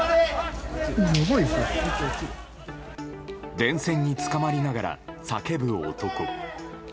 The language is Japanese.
電線につかまりながら叫ぶ男。